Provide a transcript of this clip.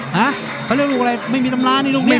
ฮะเขาเรียกลูกอะไรไม่มีตำรานี่ลูกนี้